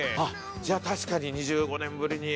じゃあ確かに２５年ぶりに。